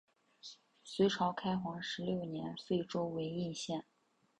隋朝开皇十六年废州为易县。